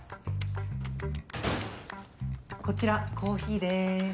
こちらコーヒーです。